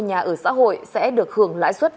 nhà ở xã hội sẽ được hưởng lãi suất